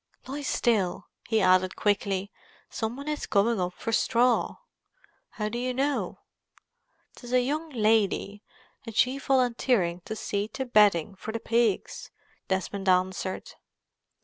"Lie still!" he added quickly. "Some one is coming up for straw." "How do you know?" "'Tis a young lady, and she volunteering to see to bedding for the pigs!" Desmond answered.